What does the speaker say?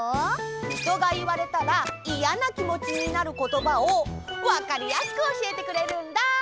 ひとがいわれたらイヤなきもちになることばをわかりやすくおしえてくれるんだ！